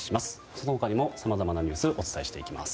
その他にもさまざまなニュースをお伝えしていきます。